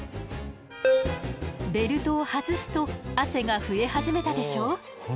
ベルトを外すと汗が増え始めたでしょ。